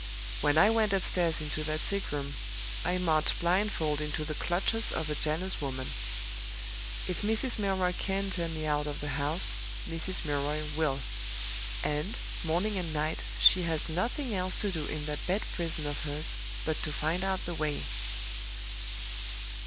When I went upstairs into that sickroom, I marched blindfold into the clutches of a jealous woman. If Mrs. Milroy can turn me out of the house, Mrs. Milroy will; and, morning and night, she has nothing else to do in that bed prison of hers but to find out the way.